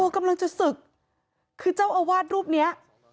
กำลังจะศึกคือเจ้าอาวาสรูปนี้